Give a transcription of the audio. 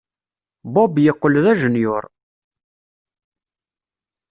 Bob yeqqel d ajenyuṛ.